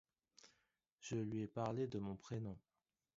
Je lui ai parlé de mon prénom.